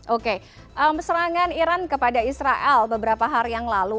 oke serangan iran kepada israel beberapa hari yang lalu